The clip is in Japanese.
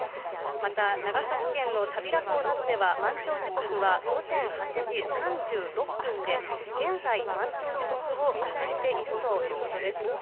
また、長崎県のたびら港などでは、満潮時刻は午前８時３６分で、現在、満潮時刻を迎えているということです。